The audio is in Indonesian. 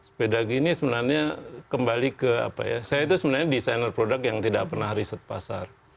sepeda gini sebenarnya kembali ke apa ya saya itu sebenarnya desainer produk yang tidak pernah riset pasar